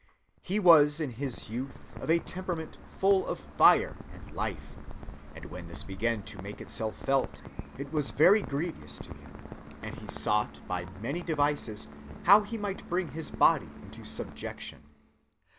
"He was in his youth of a temperament full of fire and life; and when this began to make itself felt, it was very grievous to him; and he sought by many devices how he might bring his body into subjection.